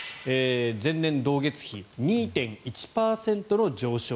前年同月比２．１％の上昇。